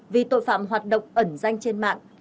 vì tội phạm hoạt động ẩn danh trên mạng